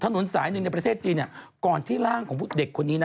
ถนนสายหนึ่งในประเทศจีนก่อนที่ร่างของเด็กคนนี้นะ